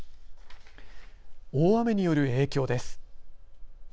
大雨による影響です。